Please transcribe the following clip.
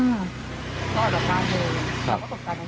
อือออกจากบ้านเลย